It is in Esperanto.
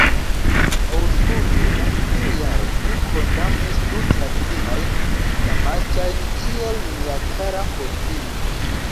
Aŭskultu: en tiu jaro, mi kondamnis du knabinojn, samaĝajn kiel mia kara Fotini.